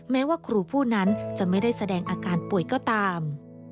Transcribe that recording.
แม้ว่าครูผู้นั้นจะไม่ได้แสดงอาการป่วยก็ตาม